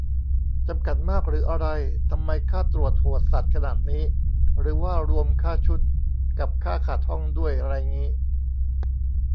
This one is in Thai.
จำกัดมากหรืออะไร ทำไมค่าตรวจโหดสัสขนาดนี้ หรือว่ารวมค่าชุด กับค่าขัดห้องด้วยไรงี้